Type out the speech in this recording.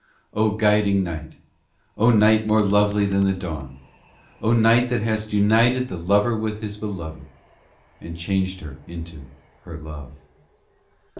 Vv O, guiding night ; O, night more lovely than the dawn ; O, night that hast united The Lover with His beloved, And changed her into her Love.